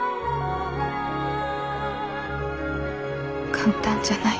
簡単じゃない。